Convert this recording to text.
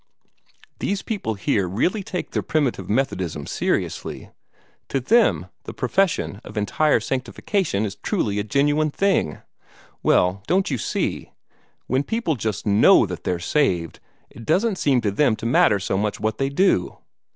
These people here really take their primitive Methodism seriously. To them the profession of entire sanctification is truly a genuine thing. Well, don't you see, when people just know that they're saved, it doesn't seem to them to matter so much what they do.